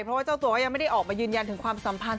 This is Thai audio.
เพราะว่าเจ้าตัวก็ยังไม่ได้ออกมายืนยันถึงความสัมพันธ